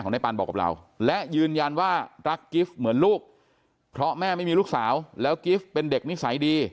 ในปันบอกกับเราและยืนยันว่ารักกิฟต์เหมือนลูกเพราะแม่ไม่มีลูกสาวแล้วกิฟต์เป็นเด็กนิสัยดี